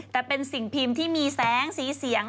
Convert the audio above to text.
แต่เป็นสิ่งพิมพ์ที่มีแสงสีเสียง